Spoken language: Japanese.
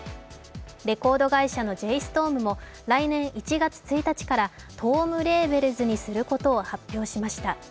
レコード会社のＪＳｔｏｒｍも来年１月１日からトームレーベルズにすることを発表しました。